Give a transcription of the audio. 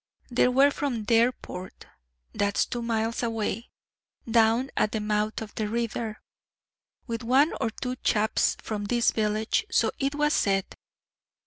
They were from Dareport that's two miles away, down at the mouth of the river with one or two chaps from this village, so it was said.